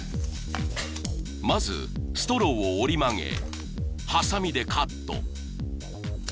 ［まずストローを折り曲げはさみでカット］